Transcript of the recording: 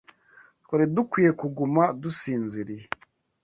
Twari dukwiye kuguma dusinziriye